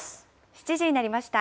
７時になりました。